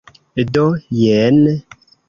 Do, jen.